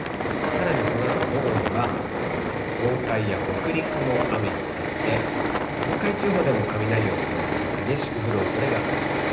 さらにこのあと午後には、東海や北陸も雨になって、東海地方でも雷を伴って、激しく降るおそれがあります。